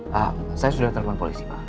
pak saya sudah telepon polisi pak